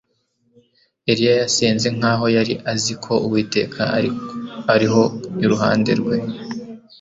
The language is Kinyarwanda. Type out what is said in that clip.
Eliya yasenze nkaho yari azi ko Uwiteka ari ho iruhande rwe